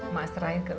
ma serahin ke lo